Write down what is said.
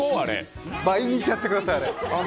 毎日やってください、あれ。